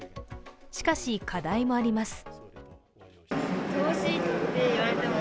しかし、課題もあります。